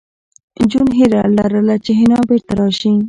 جون هیله لرله چې حنا بېرته راشي